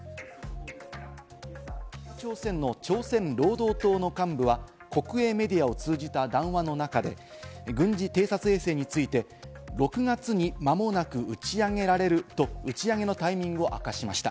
北朝鮮の労働党幹部は国営メディアを通じた談話の中で、軍事偵察衛星について、６月に間もなく打ち上げられると、打ち上げのタイミングを明かしました。